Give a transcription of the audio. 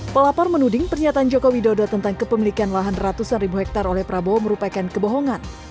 pelapor menuding pernyataan joko widodo tentang kepemilikan lahan ratusan ribu hektare oleh prabowo merupakan kebohongan